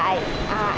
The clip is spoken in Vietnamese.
em thấy rất là tốt